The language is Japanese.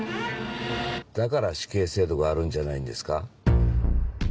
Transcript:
だから死刑制度があるんじゃないんですか？